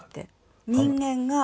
人間が。